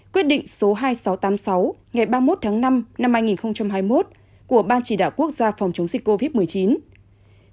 quyết định số hai nghìn sáu trăm tám mươi sáu ngày ba mươi một tháng năm năm hai nghìn hai mươi một của ban chỉ đạo quốc gia phòng chống dịch covid một mươi chín